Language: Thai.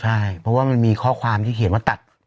ใช่เพราะว่ามันมีข้อความที่เขียนว่าตัด